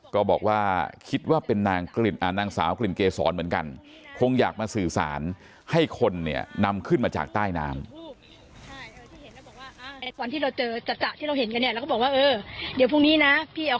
ก็บอกว่าคิดว่าเป็นนางสาวกลิ่นเกษรเหมือนกันคงอยากมาสื่อสารให้คนเนี่ยนำขึ้นมาจากใต้น้ำ